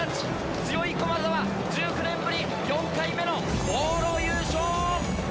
強い駒澤、１９年ぶり４回目の往路優勝。